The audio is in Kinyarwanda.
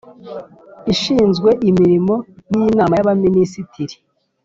Ishinzwe imirimo y Inama y Abaminisitiri